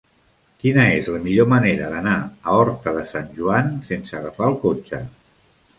Quina és la millor manera d'anar a Horta de Sant Joan sense agafar el cotxe?